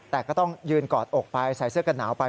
แต่ก็ต้องยืนกอดอกไปใส่เสื้อกันหนาวไป